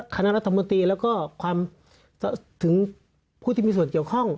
คณะกษมติและก็ความเอ่อถึงผู้ที่มีส่วนเกี่ยวข้อง